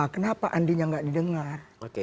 kenapa andinya nggak didengar